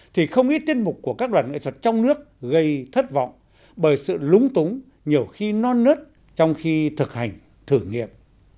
thì không ít tiết mục của các đoàn nghệ thuật trong nước gây thất vọng bởi sự lúng túng nhiều khi non nớt trong khi thực hành thử nghiệm